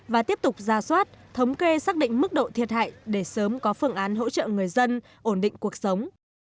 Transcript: và tiếp tục ra soát thống kê xác định mức độ thiệt hại để sớm có phương án hỗ trợ người dân ổn định cuộc sống